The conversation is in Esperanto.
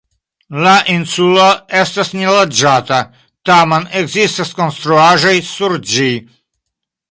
La insulo estas neloĝata, tamen ekzistas konstruaĵoj sur ĝi.